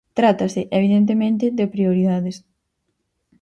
Trátase, evidentemente, de prioridades.